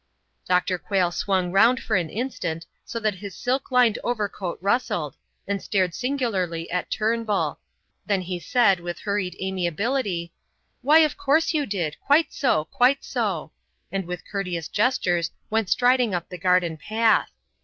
Dr. Quayle swung round for an instant so that his silk lined overcoat rustled, and stared singularly at Turnbull. Then he said with hurried amiability: "Why, of course you did. Quite so, quite so," and with courteous gestures went striding up the garden path.